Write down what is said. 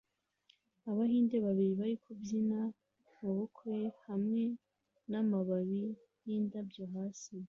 Abahinde babiri barimo kubyina mubukwe hamwe namababi yindabyo hasi